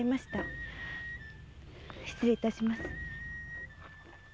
失礼いたします。